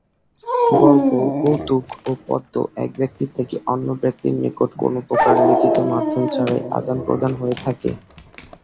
গল্প, কৌতুক, ও পদ্য এক ব্যক্তির থেকে অন্য ব্যক্তির নিকট কোন প্রকার লিখিত মাধ্যম ছাড়াই আদান-প্রদান হয়ে থাকে।